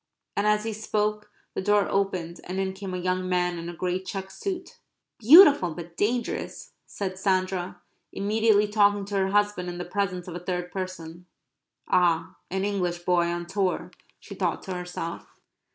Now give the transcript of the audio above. And as he spoke the door opened and in came a young man in a grey check suit. "Beautiful but dangerous," said Sandra, immediately talking to her husband in the presence of a third person. ("Ah, an English boy on tour," she thought to herself.)